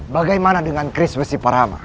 bagaimana dengan kris wesi parhamar